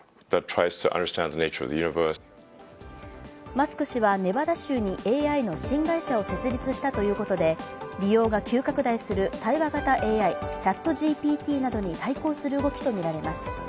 マスク氏は、ネバダ州にＡＩの新会社を設立したということで利用が急拡大する対話型ＡＩＣｈａｔＧＰＴなどに対抗する動きとみられます。